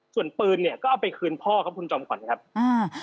ส่วนปืนก็เอาไปคืนพ่อครับคุณจอมขวัญครับ